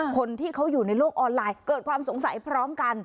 คนที่เขาอยู่ในโลกออนไลน์เกิดความสงสัยพร้อมกัน